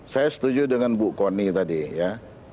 saya setuju dengan bu kony tadi ya